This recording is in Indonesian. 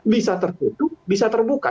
bisa tertutup bisa terbuka